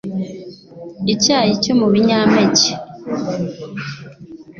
icyayi cyo mu binyampeke,